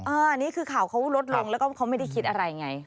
อันนี้คือข่าวเขาลดลงแล้วก็เขาไม่ได้คิดอะไรไง